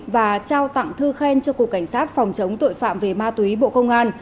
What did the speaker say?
và trao tặng thư khen cho cục cảnh sát phòng chống tội phạm về ma túy bộ công an